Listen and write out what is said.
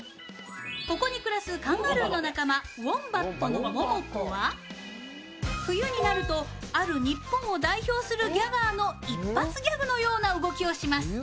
ここに暮らすカンガルーの仲間、ウォンバットのモモコは冬になるとある日本を代表するギャガーの一発ギャグのような動きをします